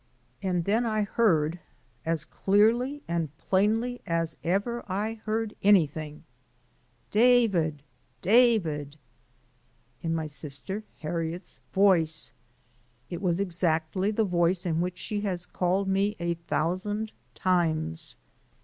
And then I heard as clearly and plainly as ever I heard anything: "David! David!" in my sister Harriet's voice. It was exactly the voice in which she has called me a thousand times.